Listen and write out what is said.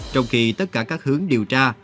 trong khi tất cả các hướng điều tra